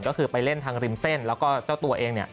ก็คือไปเล่นทางริมเส้นแล้วก็เจ้าตัวเองเนี่ย